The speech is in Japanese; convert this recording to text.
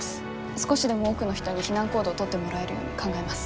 少しでも多くの人に避難行動を取ってもらえるように考えます。